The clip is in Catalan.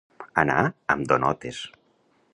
Anar amb donotes.